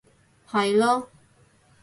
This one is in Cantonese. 係囉